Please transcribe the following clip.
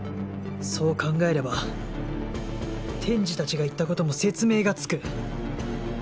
そう考えれば天智たちが言った事も説明がつく